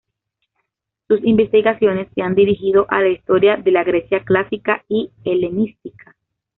Sus investigaciones se han dirigido a la historia de la Grecia clásica y helenística.